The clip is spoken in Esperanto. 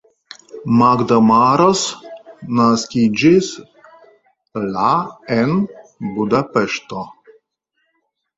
Magda Maros naskiĝis la en Budapeŝto.